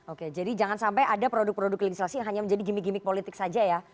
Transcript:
oke jadi jangan sampai ada produk produk legislasi yang hanya menjadi gimmick gimmick politik saja ya